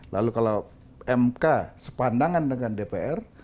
lalu kalau mk sepandangan dengan dpr